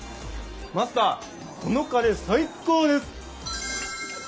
マスターこのカレー最高です！